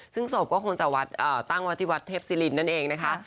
ซึ่งศพก็คงจะตั้งไว้ที่วัดเทพศิรินนั่นเองนะคะ